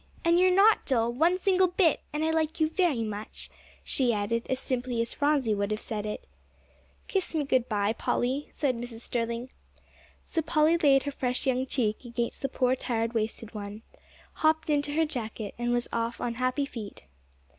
And you are not dull, one single bit, and I like you very much," she added as simply as Phronsie would have said it. "Kiss me good bye, Polly," said Mrs. Sterling. So Polly laid her fresh young cheek against the poor, tired, wasted one; hopped into her jacket, and was off on happy feet.